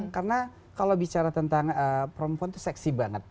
karena kalau bicara tentang perempuan itu seksi banget